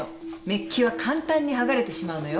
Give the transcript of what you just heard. メッキは簡単にはがれてしまうのよ。